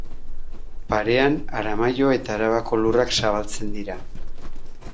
Parean Aramaio eta Arabako lurrak zabaltzen dira.